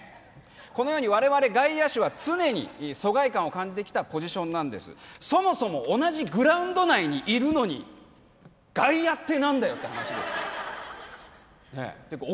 このように我々外野手は常に疎外感を感じてきたポジションなんですそもそも同じグラウンド内にいるのに外野って何だよって話ですてか